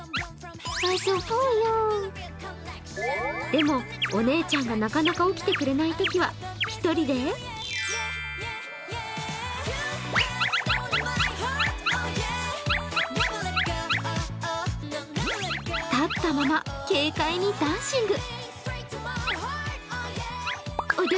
でも、お姉ちゃんがなかなか起きてくれないときは１人で立ったまま軽快にダンシング。